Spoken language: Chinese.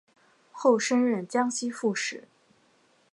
后升任江西副使。